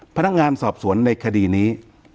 พนักงานสอบสวนในคดีนี้